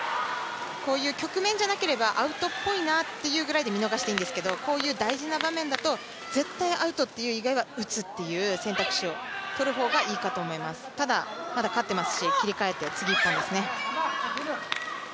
こういう局面でなければアウトっぽいなということで見逃していいんですけどこういう大事な場面だと、絶対アウトという以外は打つという選択肢をとる方がいいかと思います、ただ、まだ買っていますし、切り替えて次、１本ですね。